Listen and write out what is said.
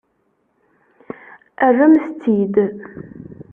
Rremt-t-id!